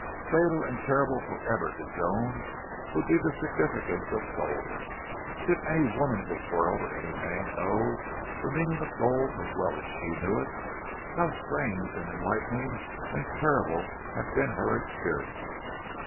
Fatal and terrible forever to Joan would be the significance of gold. Did any woman in the world or any man know the meaning of gold as well as she knew it? How strange and enlightening and terrible had been her experience!